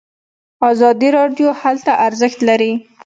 ازادي هلته ارزښت لري.